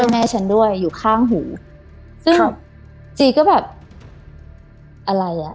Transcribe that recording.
ช่วยแม่ฉันด้วยอยู่ข้างหูครับจี๊ก็แบบอะไรอ่ะ